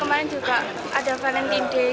kemarin juga ada fenomena day